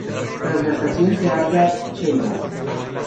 Tras la estación se halla Chelbas.